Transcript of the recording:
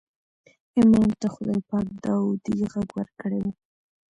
امام ته خدای پاک داودي غږ ورکړی و.